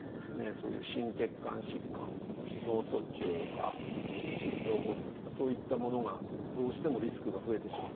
そういう心血管疾患脳卒中とか心臓発作とかそういったものがどうしてもリスクが増えてしまいます。